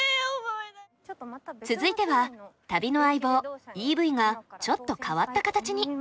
続いては旅の相棒ＥＶがちょっと変わった形に。